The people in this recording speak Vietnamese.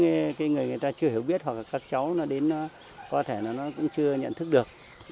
để tránh những người người ta chưa hiểu biết hoặc các cháu đến có thể nó cũng chưa nhận thức được